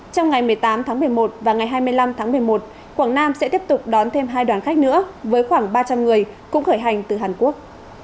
trong ngày một mươi tám tháng một mươi một và ngày hai mươi năm tháng một mươi một quảng nam sẽ tiếp tục đón thêm hai đoàn khách nữa với khoảng ba trăm linh người cũng khởi hành từ hàn quốc